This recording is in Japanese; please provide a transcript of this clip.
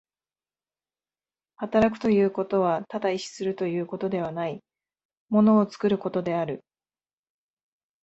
働くということはただ意志するということではない、物を作ることである。